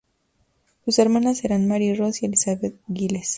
Sus hermanas eran Mary Ross y Elizabeth Giles.